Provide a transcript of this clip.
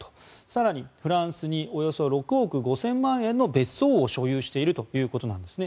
更にフランスにおよそ６億５０００万円の別荘を所有しているということなんです。